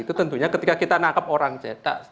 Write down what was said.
itu tentunya ketika kita nangkap orang c